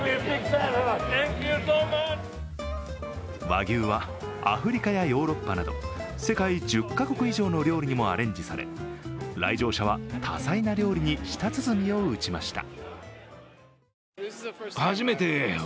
和牛はアフリカやヨーロッパなど世界１０か国以上の料理にもアレンジされ来場者は多彩な料理に舌鼓を打ちました。